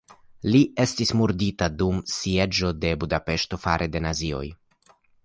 Li estis murdita dum sieĝo de Budapeŝto fare de nazioj.